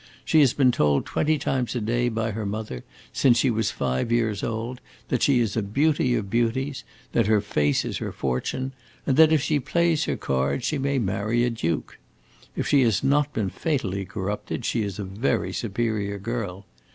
She has been told twenty times a day by her mother, since she was five years old, that she is a beauty of beauties, that her face is her fortune, and that, if she plays her cards, she may marry a duke. If she has not been fatally corrupted, she is a very superior girl.